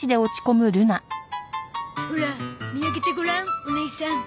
ほら見上げてごらんおねいさん。